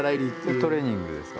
トレーニングですか？